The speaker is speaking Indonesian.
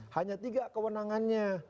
hanya tiga kewenangannya